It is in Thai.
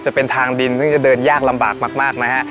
จะเป็นทางดินซึ่งจะเดินยากลำบากมากนะฮะ